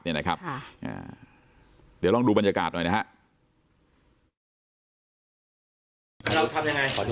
เดี๋ยวลองดูบรรยากาศหน่อยนะฮะ